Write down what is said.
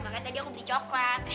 makanya tadi aku beli coklat